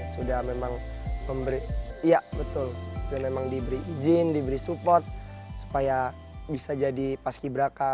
sudah memang memberi ijin diberi support supaya bisa jadi pas ki braka